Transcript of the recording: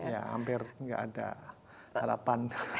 ya hampir nggak ada harapan